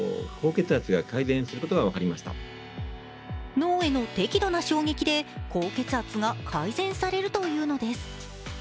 脳への適度な衝撃で高血圧が改善されるというのです。